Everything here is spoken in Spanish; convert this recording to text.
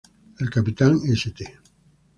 El Capitán St.